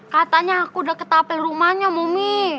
katanya aku udah ketapel rumahnya mumi